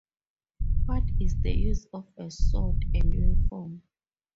What is the use of a sword and uniform?